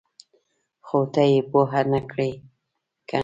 ـ خو ته یې پوهه نه کړې کنه!